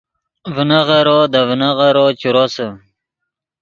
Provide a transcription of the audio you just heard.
ڤینغیرو دے ڤینغیرو چے روسے